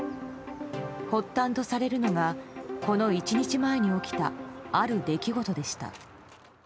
発端とされるのがこの１日前に起きたある出来事でした。